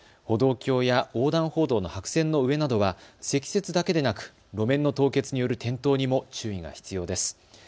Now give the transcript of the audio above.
歩道橋や横断歩道の白線の上などは積雪だけでなく路面の凍結による転倒にも注意が必要です。